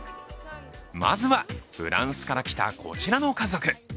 まずは、フランスから来た、こちらの家族。